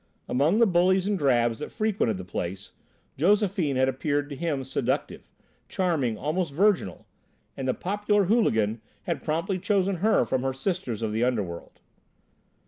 Among the bullies and drabs that frequented the place, Josephine had appeared to him seductive, charming, almost virginal, and the popular hooligan had promptly chosen her from her sisters of the underworld.